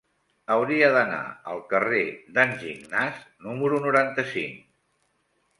Hauria d'anar al carrer d'en Gignàs número noranta-cinc.